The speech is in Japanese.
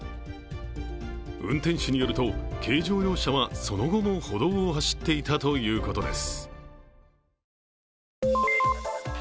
運転手によると軽乗用車はその後も歩道を走っていたということです。